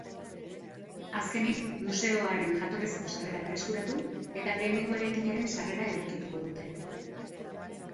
Azkenik, museoaren jatorrizko sarrera berreskuratu, eta lehenengo eraikinaren sarrera egokituko dute.